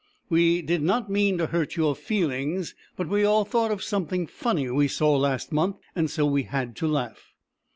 " We did not mean to hurt your feelings — but we all thought of something funny we saw last month, and so we had to laugh."